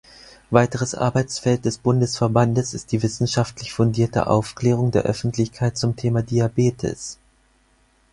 Weiteres Arbeitsfeld des Bundesverbandes ist die wissenschaftlich fundierte Aufklärung der Öffentlichkeit zum Thema Diabetes.